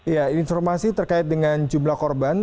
ya informasi terkait dengan jumlah korban